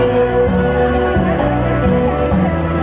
สวัสดี